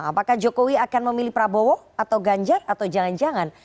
apakah jokowi akan memilih prabowo atau ganjar atau jangan jangan